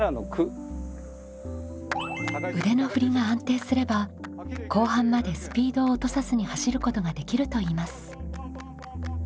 腕の振りが安定すれば後半までスピードを落とさずに走ることができるといいます。